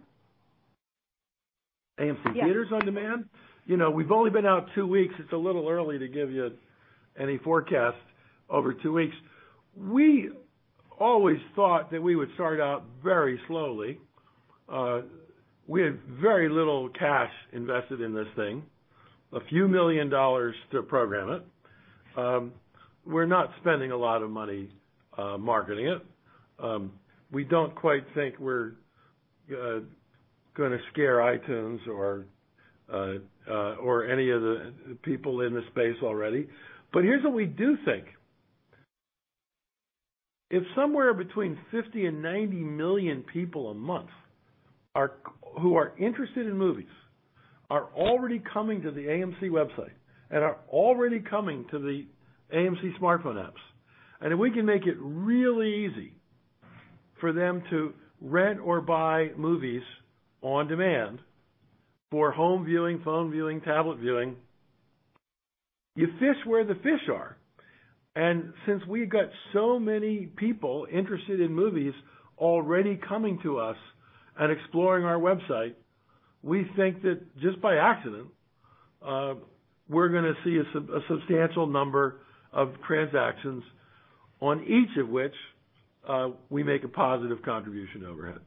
AMC Theatres On Demand? Yeah. We've only been out two weeks. It's a little early to give you any forecast over two weeks. We always thought that we would start out very slowly. We had very little cash invested in this thing. A few million dollars to program it. We're not spending a lot of money marketing it. We don't quite think we're gonna scare iTunes or any of the people in the space already. Here's what we do think. If somewhere between 50 million and 90 million people a month, who are interested in movies, are already coming to the AMC website and are already coming to the AMC smartphone apps, and if we can make it really easy for them to rent or buy movies on demand for home viewing, phone viewing, tablet viewing, you fish where the fish are. Since we've got so many people interested in movies already coming to us and exploring our website, we think that just by accident, we're going to see a substantial number of transactions on each of which, we make a positive contribution overhead.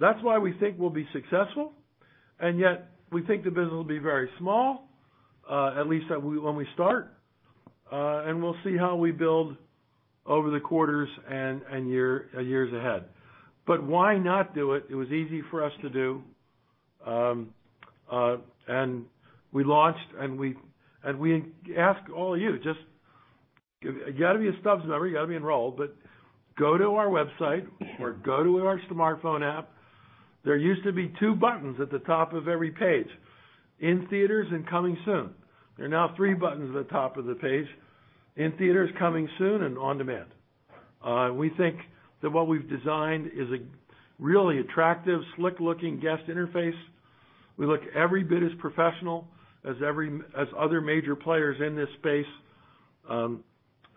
That's why we think we'll be successful, and yet we think the business will be very small, at least when we start. We'll see how we build over the quarters and years ahead. Why not do it? It was easy for us to do, and we launched and we ask all of you, just you got to be a Stubs member, you got to be enrolled, but go to our website or go to our smartphone app. There used to be two buttons at the top of every page, In Theaters and Coming Soon. There are now three buttons at the top of the page: In Theaters, Coming Soon, and On Demand. We think that what we've designed is a really attractive, slick-looking guest interface. We look every bit as professional as other major players in this space.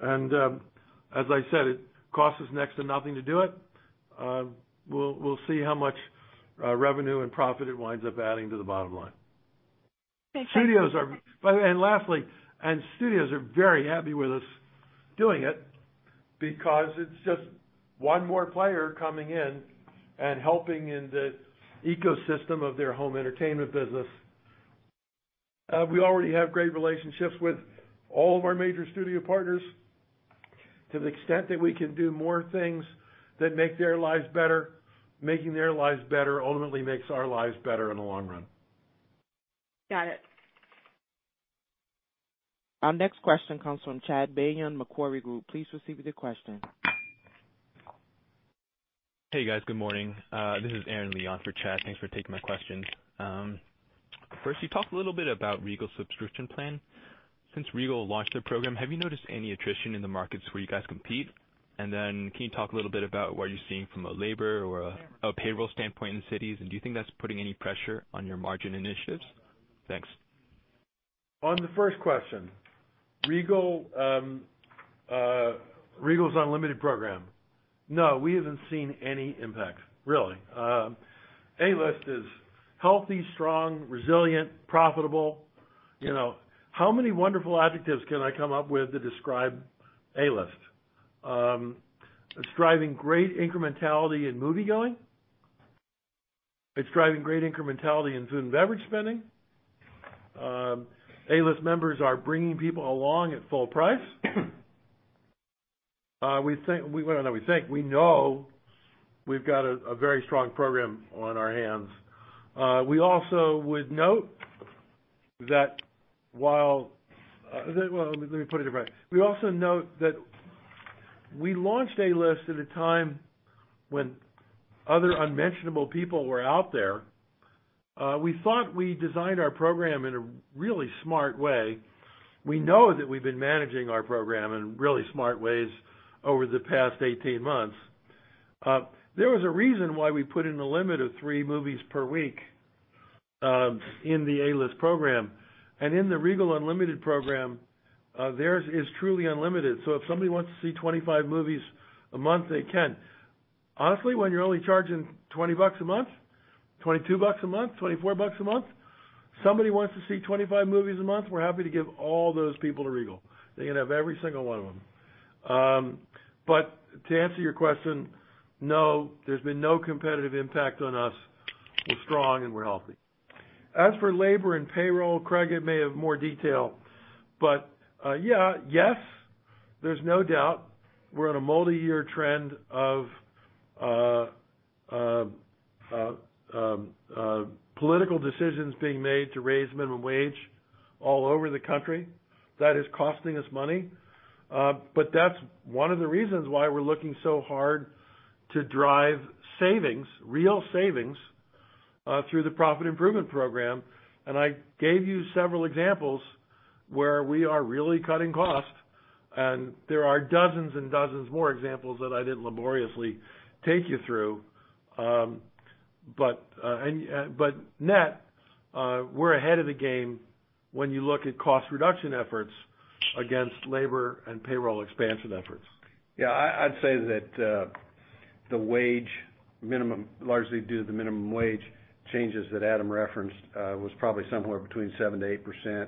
As I said, it costs us next to nothing to do it. We'll see how much revenue and profit it winds up adding to the bottom line. Okay. Lastly, studios are very happy with us doing it because it's just one more player coming in and helping in the ecosystem of their home entertainment business. We already have great relationships with all of our major studio partners. To the extent that we can do more things that make their lives better, making their lives better ultimately makes our lives better in the long run. Got it. Our next question comes from Chad Beynon, Macquarie Group. Please proceed with your question. Hey, guys. Good morning. This is Aaron Lee on for Chad. Thanks for taking my questions. First, you talked a little bit about Regal subscription plan. Since Regal launched their program, have you noticed any attrition in the markets where you guys compete? Can you talk a little bit about what you're seeing from a labor or a payroll standpoint in the cities? Do you think that's putting any pressure on your margin initiatives? Thanks. On the first question, Regal Unlimited program. No, we haven't seen any impact, really. A-List is healthy, strong, resilient, profitable. How many wonderful adjectives can I come up with to describe A-List? It's driving great incrementality in moviegoing. It's driving great incrementality in food and beverage spending. A-List members are bringing people along at full price. We know we've got a very strong program on our hands. Well, let me put it differently. We also note that we launched A-List at a time when other unmentionable people were out there. We thought we designed our program in a really smart way. We know that we've been managing our program in really smart ways over the past 18 months. There was a reason why we put in a limit of three movies per week, in the A-List program. In the Regal Unlimited program, theirs is truly unlimited, so if somebody wants to see 25 movies a month, they can. Honestly, when you're only charging $20 a month, $22 a month, $24 a month, somebody wants to see 25 movies a month, we're happy to give all those people to Regal. They can have every single one of them. To answer your question, no, there's been no competitive impact on us. We're strong and we're healthy. As for labor and payroll, Craig may have more detail, but, yes, there's no doubt we're in a multi-year trend of political decisions being made to raise minimum wage all over the country. That is costing us money. That's one of the reasons why we're looking so hard to drive savings, real savings, through the Profit Improvement Program. I gave you several examples where we are really cutting costs, and there are dozens and dozens more examples that I didn't laboriously take you through. Net, we're ahead of the game when you look at cost reduction efforts against labor and payroll expansion efforts. I'd say that the wage minimum, largely due to the minimum wage changes that Adam referenced, was probably somewhere between 7%-8%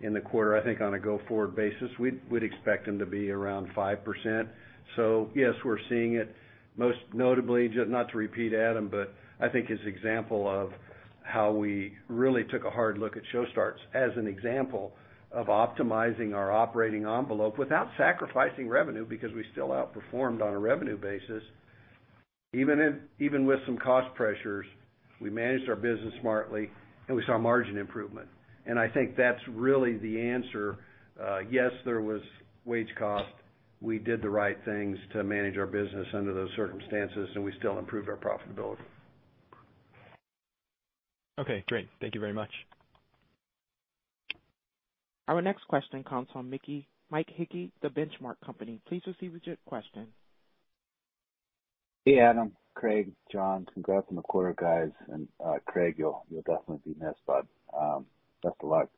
in the quarter. I think on a go-forward basis, we'd expect them to be around 5%. Yes, we're seeing it most notably, not to repeat Adam, but I think his example of how we really took a hard look at show starts as an example of optimizing our operating envelope without sacrificing revenue because we still outperformed on a revenue basis. Even with some cost pressures, we managed our business smartly, and we saw margin improvement. I think that's really the answer. Yes, there was wage cost. We did the right things to manage our business under those circumstances, and we still improved our profitability. Okay, great. Thank you very much. Our next question comes from Mike Hickey, The Benchmark Company. Please proceed with your question. Hey, Adam, Craig, John. Congrats on the quarter, guys. Craig, you'll definitely be missed, bud. Best of luck.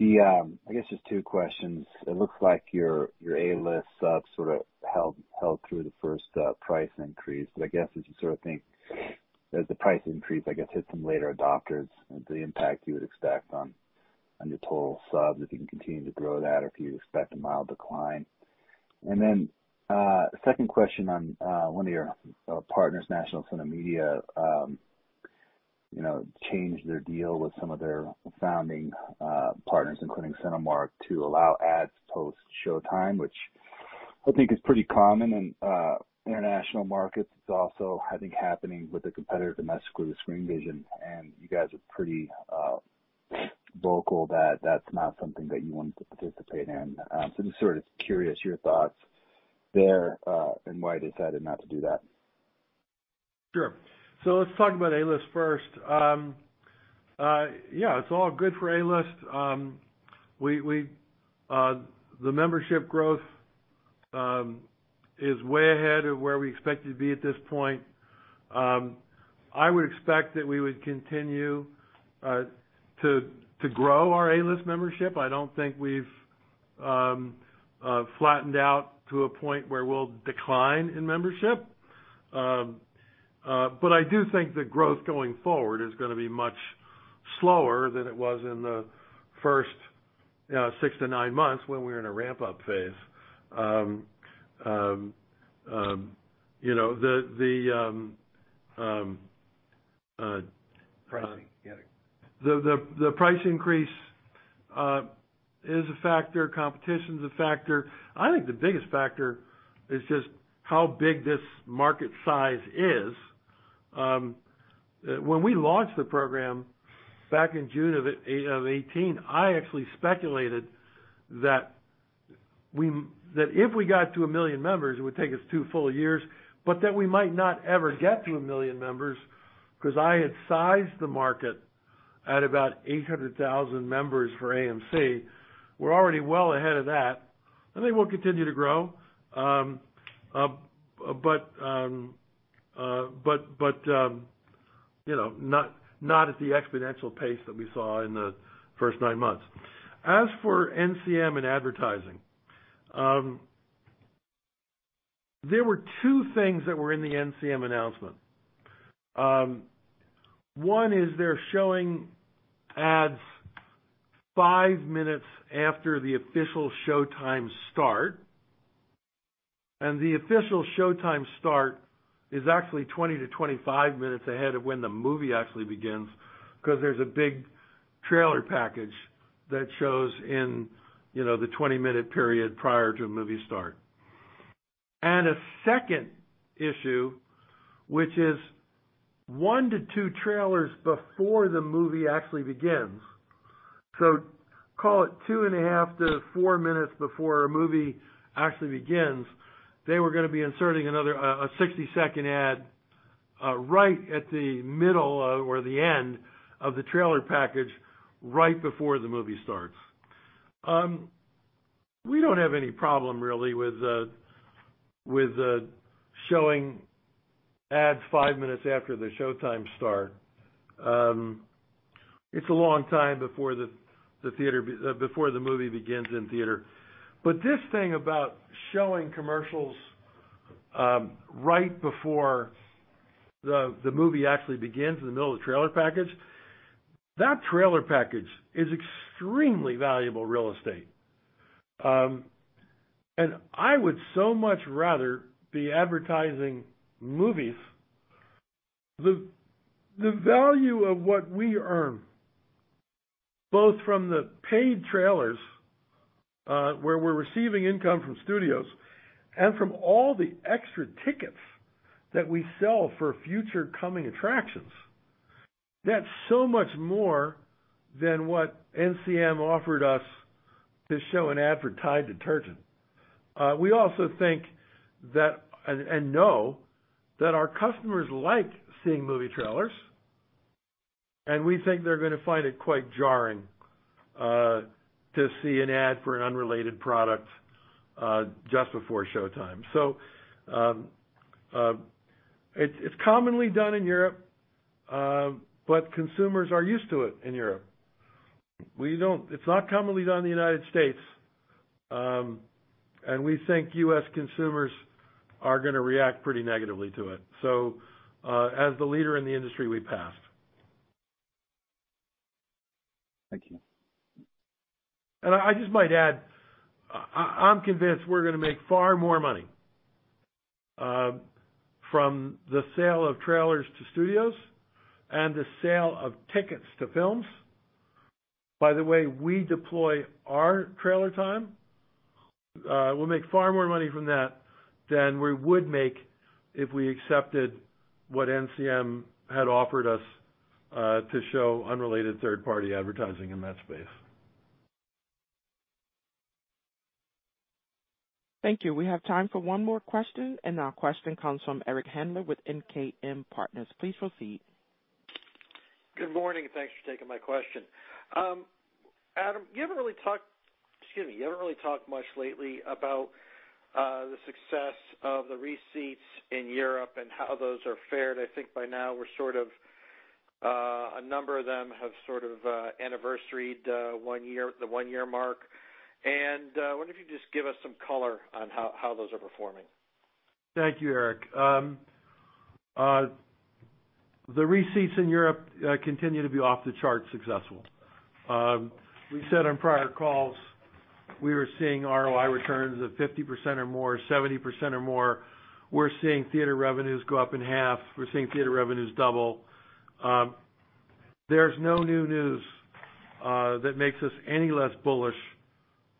I guess just two questions. It looks like your A-List sort of held through the first price increase, but I guess as you sort of think as the price increase, I guess, hit some later adopters and the impact you would expect on your total subs, if you can continue to grow that or if you expect a mild decline. Second question on one of your partners, National CineMedia changed their deal with some of their founding partners, including Cinemark, to allow ads post showtime, which I think is pretty common in international markets. It's also, I think, happening with a competitor domestically with Screenvision, you guys are pretty vocal that that's not something that you wanted to participate in. Just sort of curious your thoughts there and why you decided not to do that? Sure. Let's talk about A-List first. Yeah, it's all good for A-List. The membership growth is way ahead of where we expected to be at this point. I would expect that we would continue to grow our A-List membership. I don't think we've flattened out to a point where we'll decline in membership. I do think the growth going forward is going to be much slower than it was in the first six to nine months when we were in a ramp-up phase. Pricing, yeah. The price increase is a factor. Competition's a factor. I think the biggest factor is just how big this market size is. When we launched the program back in June of 2018, I actually speculated that if we got to 1 million members, it would take us two full years, but that we might not ever get to 1 million members because I had sized the market at about 800,000 members for AMC. We're already well ahead of that. I think we'll continue to grow. Not at the exponential pace that we saw in the first nine months. As for NCM and advertising. There were two things that were in the NCM announcement. One is they're showing ads five minutes after the official showtime start, and the official showtime start is actually 20-25 minutes ahead of when the movie actually begins because there's a 20-minute period prior to a movie start. A second issue, which is one to two trailers before the movie actually begins. So call it 2.5 to four minutes before a movie actually begins, they were going to be inserting a 60-second ad right at the middle or the end of the trailer package right before the movie starts. We don't have any problem, really, with showing ads five minutes after the showtimes start. It's a long time before the movie begins in theater. This thing about showing commercials right before the movie actually begins in the middle of the trailer package, that trailer package is extremely valuable real estate. I would so much rather be advertising movies. The value of what we earn, both from the paid trailers where we're receiving income from studios and from all the extra tickets that we sell for future coming attractions, that's so much more than what NCM offered us to show an ad for Tide detergent. We also think that, and know, that our customers like seeing movie trailers, and we think they're going to find it quite jarring to see an ad for an unrelated product just before showtime. It's commonly done in Europe, but consumers are used to it in Europe. It's not commonly done in the United States. We think U.S. consumers are going to react pretty negatively to it. As the leader in the industry, we passed. Thank you. I just might add, I'm convinced we're going to make far more money from the sale of trailers to studios and the sale of tickets to films. By the way we deploy our trailer time, we'll make far more money from that than we would make if we accepted what NCM had offered us to show unrelated third-party advertising in that space. Thank you. We have time for one more question, and that question comes from Eric Handler with MKM Partners. Please proceed. Good morning, and thanks for taking my question. Adam, you haven't really talked much lately about the success of the reseats in Europe and how those have fared. I think by now a number of them have sort of anniversaried the one-year mark. I wonder if you could just give us some color on how those are performing? Thank you, Eric. The reseats in Europe continue to be off-the-charts successful. We said on prior calls, we were seeing ROI returns of 50% or more, 70% or more. We're seeing theater revenues go up a half. We're seeing theater revenues double. There's no new news that makes us any less bullish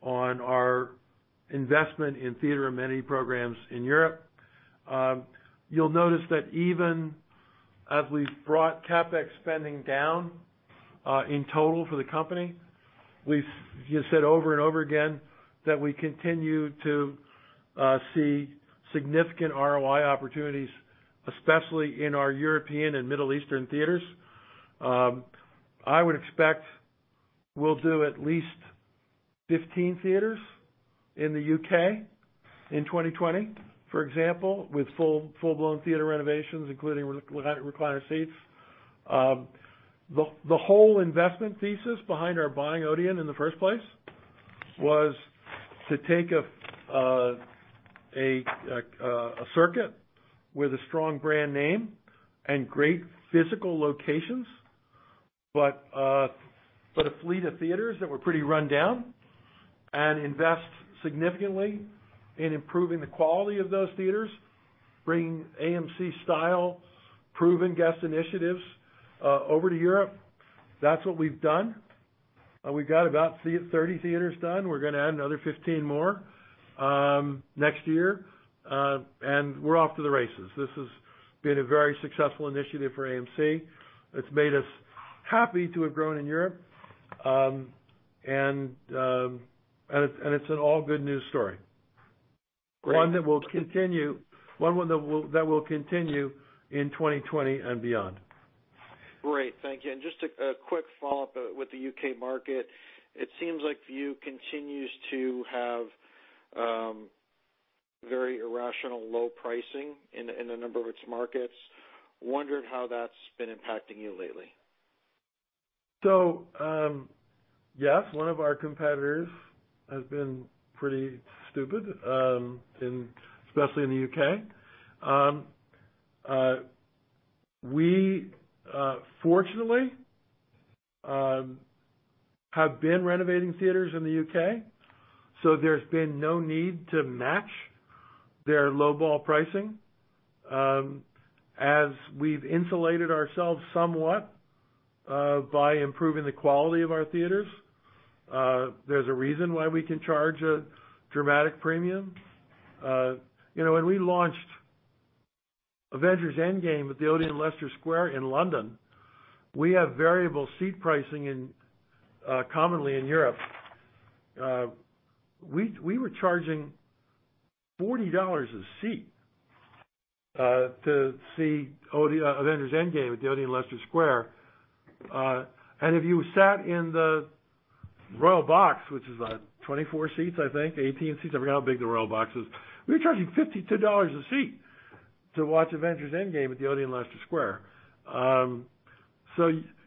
on our investment in theater amenity programs in Europe. You'll notice that even as we've brought CapEx spending down in total for the company, we've said over and over again that we continue to see significant ROI opportunities, especially in our European and Middle Eastern theaters. I would expect we'll do at least 15 theaters in the U.K. in 2020, for example, with full-blown theater renovations, including recliner seats. The whole investment thesis behind our buying Odeon in the first place was to take a circuit with a strong brand name and great physical locations, but a fleet of theaters that were pretty run down and invest significantly in improving the quality of those theaters, bringing AMC-style proven guest initiatives over to Europe. That's what we've done. We've got about 30 theaters done. We're going to add another 15 more next year. We're off to the races. This has been a very successful initiative for AMC. It's made us happy to have grown in Europe. It's an all-good-news story. One that will continue in 2020 and beyond. Great. Thank you. Just a quick follow-up with the U.K. market. It seems like Vue continues to have very irrational low pricing in a number of its markets. I am wondering how that's been impacting you lately. Yes, one of our competitors has been pretty stupid, especially in the U.K. We, fortunately, have been renovating theaters in the U.K., so there's been no need to match their low-ball pricing, as we've insulated ourselves somewhat by improving the quality of our theaters. There's a reason why we can charge a dramatic premium. When we launched Avengers: Endgame at the Odeon Leicester Square in London, we have variable seat pricing commonly in Europe. We were charging $40 a seat to see Avengers: Endgame at the Odeon Leicester Square. If you sat in the royal box, which is what, 24 seats, I think, 18 seats? I forget how big the royal box is. We were charging $52 a seat to watch Avengers: Endgame at the Odeon Leicester Square.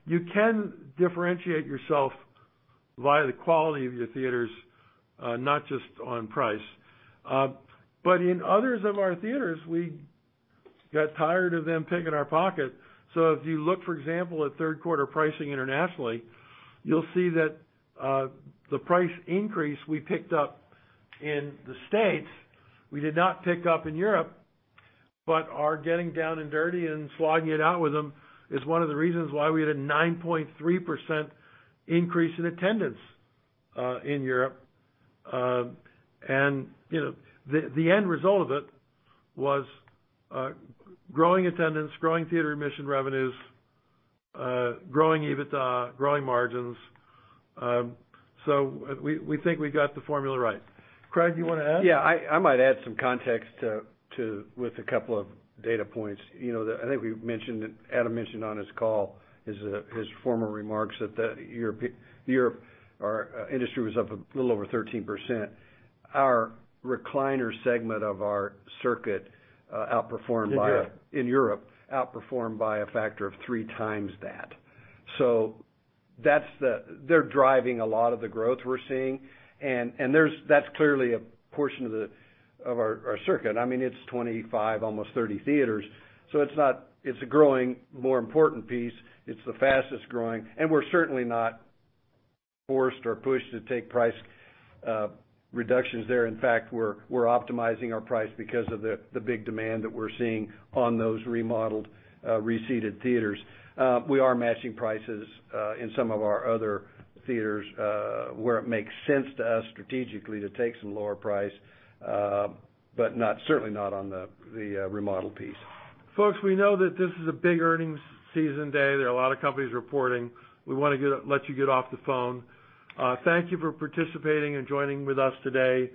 You can differentiate yourself via the quality of your theaters, not just on price. In others of our theaters, we got tired of them picking our pocket. If you look, for example, at third-quarter pricing internationally, you will see that the price increase we picked up in the States, we did not pick up in Europe, but our getting down and dirty and slogging it out with them is one of the reasons why we had a 9.3% increase in attendance in Europe. The end result of it was growing attendance, growing theater admission revenues, growing EBITDA, growing margins. We think we got the formula right. Craig, you want to add? Yeah, I might add some context with a couple of data points. I think Adam mentioned on his call, his formal remarks that Europe, our industry was up a little over 13%. Our recliner segment of our circuit outperformed in Europe, outperformed by a factor of 3x that. They're driving a lot of the growth we're seeing, and that's clearly a portion of our circuit. I mean, it's 25, almost 30 theaters. It's a growing, more important piece. It's the fastest-growing, and we're certainly not forced or pushed to take price reductions there. In fact, we're optimizing our price because of the big demand that we're seeing on those remodeled, reseated theaters. We are matching prices in some of our other theaters where it makes sense to us strategically to take some lower price. Certainly not on the remodeled piece. Folks, we know that this is a big earnings season day. There are a lot of companies reporting. We want to let you get off the phone. Thank you for participating and joining with us today.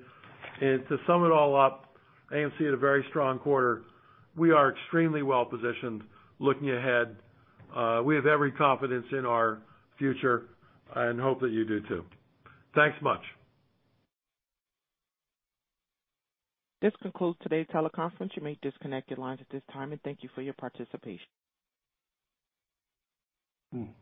To sum it all up, AMC had a very strong quarter. We are extremely well-positioned looking ahead. We have every confidence in our future and hope that you do, too. Thanks much. This concludes today's teleconference. You may disconnect your lines at this time, and thank you for your participation.